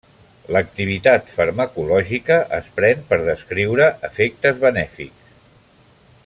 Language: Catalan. L'activitat farmacològica es pren per descriure efectes benèfics.